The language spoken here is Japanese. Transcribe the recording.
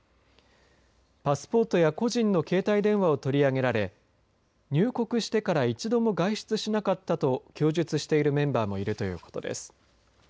パスポートや個人の携帯電話を取り上げられ入国してから一度も外出しなかったと供述しているメンバーもいるということです。